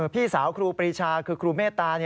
พี่สาวครูปรีชาคือครูเมตตา